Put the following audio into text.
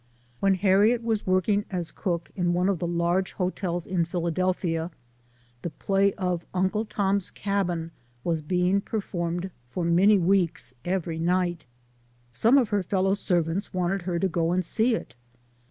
While Harriet was working as cook in one of 22 SOME SCENES IN THE the large hotels in Philadelphia, the play of " Uncle Tom's Cabin " was being performed for many weeks every night. Some of her fellow servants wanted her to go and see it.